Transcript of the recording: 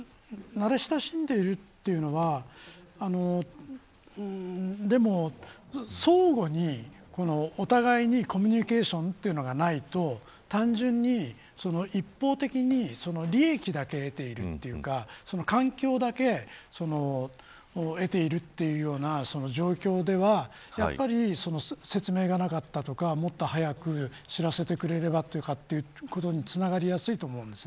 慣れ親しんでいるというのは相互にお互いにコミュニケーションがないと単純に一方的に利益だけ得ているというか環境だけ得ているというような状況では説明がなかったとかもっと早く知らせてくれればよかった、ということにつながりやすいと思うんです。